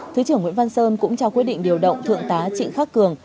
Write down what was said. thứ trưởng nguyễn văn sơn cũng trao quyết định điều động thượng tá trịnh khắc cường